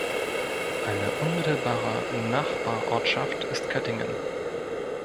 Eine unmittelbare Nachbarortschaft ist Köttingen.